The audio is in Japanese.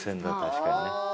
確かにね。